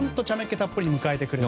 たっぷりに迎えてくれて。